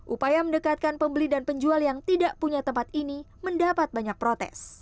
upaya mendekatkan pembeli dan penjual yang tidak punya tempat ini mendapat banyak protes